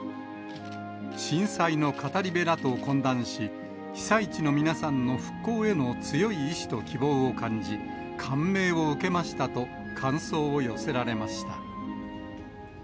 震災の語り部らと懇談し、被災地の皆さんの復興への強い意志と希望を感じ、感銘を受けましたと、感想を寄せられました。